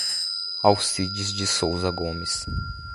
Alcides de Souza Gomes